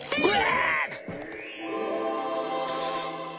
うわ！